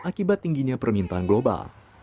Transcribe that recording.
akibat tingginya permintaan global